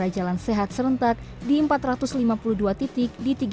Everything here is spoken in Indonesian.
jalan sehat serentak